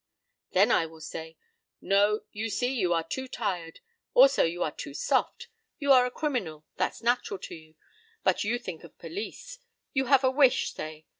p> "Then I will say: 'No; you see you are too tired. Also you are too soft. You are a criminal. That's natural to you. But you think of police. You have a wish, say.